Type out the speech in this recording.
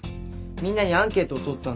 みんなにアンケートをとったんだ。